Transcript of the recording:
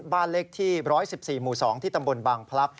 บ้านเลขที่๑๑๔หมู่๒ที่ตำบลบางพลับ